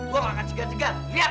gue gak akan segar segar lihat